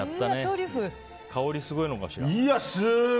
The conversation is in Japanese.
香り、すごいのかしら。